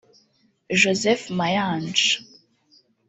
Joseph Mayanja